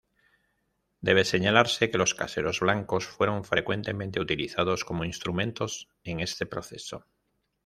Debe señalarse que los caseros blancos fueron frecuentemente utilizados como instrumentos en este proceso.